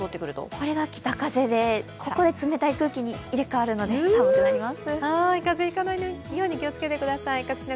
これが北風で、ここで冷たい空気に入れ替わるので寒くなります。